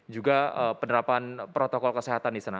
juga penerapan protokol kesehatan di sana